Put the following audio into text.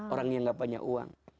orang yang gak punya uang